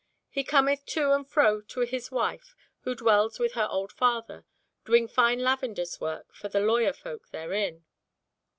"He cometh to and fro to his wife, who dwells with her old father, doing fine lavender's work for the lawyer folk therein."